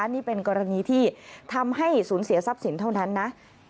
นี่เป็นกรณีที่ทำให้สูญเสียทรัพย์สินเท่านั้นนะ